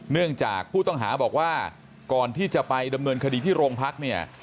เนื่องจากผู้ต้องหาบอกว่าก่อนที่จะไปดำเนินคดีที่โรงพักเนี่ย